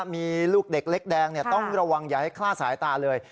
มีลูกเด็กเล็กแดงต้องระวังอย่าให้คลาดสายตาเลย